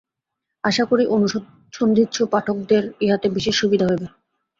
আশা করি, অনুসন্ধিৎসু পাঠকদের ইহাতে বিশেষ সুবিধা হইবে।